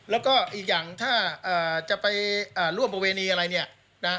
แล้วก็อีกอย่างถ้าจะไปร่วมประเวณีอะไรเนี่ยนะ